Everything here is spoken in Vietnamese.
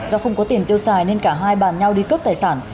do không có tiền tiêu xài nên cả hai bàn nhau đi cướp tài sản